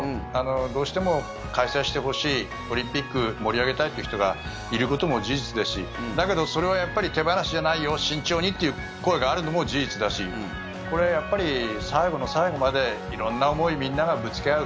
どうしても開催してほしいオリンピック盛り上げたい人がいることも事実ですしだけど、それは手放しじゃないよ慎重にという声があるのも事実だし、これは最後の最後まで色んな思いをみんながぶつけ合う。